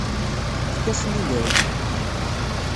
Efk-asen idrimen.